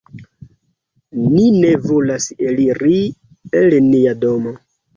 "Ni ne volas eliri el nia domo."